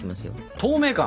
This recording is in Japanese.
透明感。